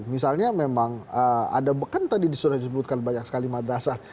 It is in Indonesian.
misalnya memang kan tadi disuruh disebutkan banyak sekali madrasah